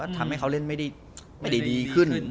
ทำให้เขาเล่นไม่ได้ดีขึ้น